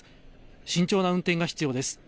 慎重な運転が必要です。